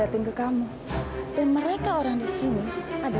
harusnya beliau akan diterima